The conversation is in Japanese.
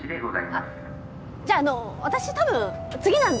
あっじゃああの私多分次なんで。